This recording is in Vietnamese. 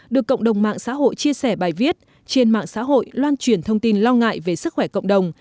được cộng đồng mạng xã hội chia sẻ bài viết trên mạng xã hội loan truyền thông tin lo ngại về sức khỏe cộng đồng